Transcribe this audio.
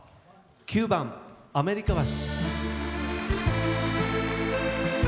９番「アメリカ橋」。